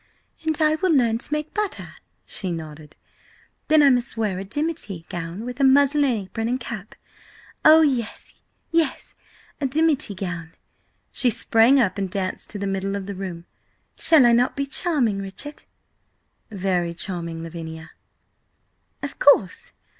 "And I will learn to make butter," she nodded. "Then I must wear a dimity gown with a muslin apron and cap. Oh, yes, yes–a dimity gown!" She sprang up and danced to the middle of the room. "Shall I not be charming, Richard?" "Very charming, Lavinia!" "Of course!